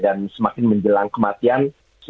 dan semakin menjelang kematian